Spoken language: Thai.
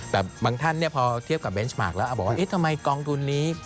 แต่บางท่านพอเทียบกับเบนส์มาร์คแล้วบอกว่าเอ๊ะทำไมกองทุนนี้